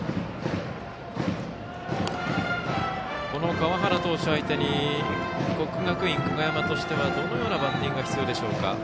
この川原投手相手に国学院久我山としてはどのようなバッティングが必要でしょうか？